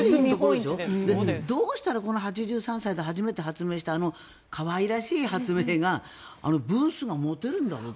どうしてこの８３歳が初めて発明した可愛らしい発明がブースが持てるんだろうと。